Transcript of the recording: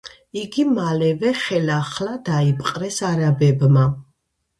იგი მალევე ხელახლა დაიპყრეს არაბებმა.